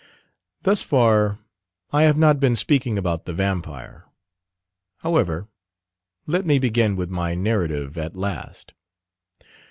Thus far I have not been speaking about the Vampire. However, let me begin with my narrative at last.